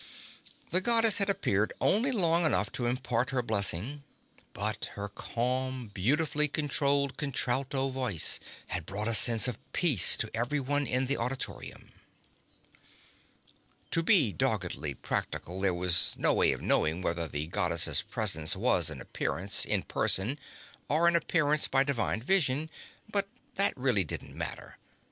The Goddess had appeared only long enough to impart her blessing, but her calm, beautifully controlled contralto voice had brought a sense of peace to everyone in the auditorium. To be doggedly practical, there was no way of knowing whether the Goddess's presence was an appearance in person, or an "appearance" by Divine Vision. But that really didn't matter.